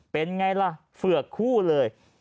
เป็นไงล่ะเฝือกคู่เลย